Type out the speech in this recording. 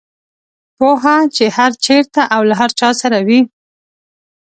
پوهه چې هر چېرته او له هر چا سره وي.